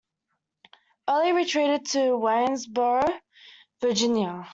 Early retreated to Waynesboro, Virginia.